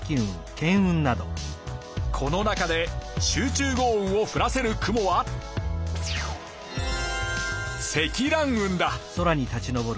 この中で集中豪雨を降らせる雲は「積乱雲」だ。